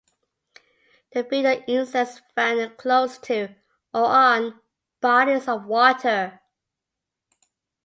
They feed on insects found close to, or on, bodies of water.